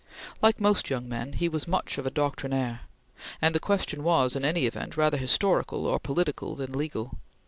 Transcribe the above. Like most young men, he was much of a doctrinaire, and the question was, in any event, rather historical or political than legal.